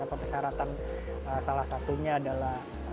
persyaratan salah satunya adalah